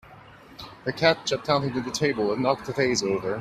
The cat jumped up onto the table and knocked the vase over.